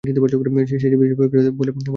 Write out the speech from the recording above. সে যে বিশেষ ভয় পাইয়াছে মনে হয় না।